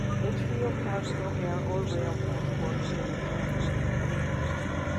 Litchfield has no air or rail transport within the town limits.